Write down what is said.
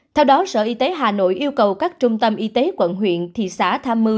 theo đó sở y tế hà nội yêu cầu các trung tâm y tế quận huyện thị xã tham mưu